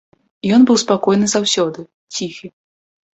Ён быў спакойны заўсёды, ціхі.